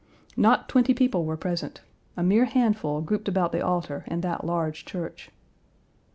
Not twenty people were present a mere handful grouped about the altar in that large church.